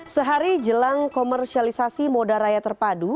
sehari jelang komersialisasi moda raya terpadu